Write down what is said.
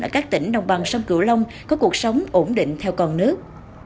ở các tỉnh đồng bằng sông cửu long có cuộc sống ổn định theo con nước